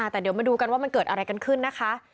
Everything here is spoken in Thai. แต่เดี๋ยวมาดูกันว่ามันเกิดอะไรกันขึ้นนะคะ